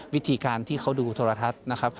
วิธีการที่เขาดูโทรทัศน์นะครับ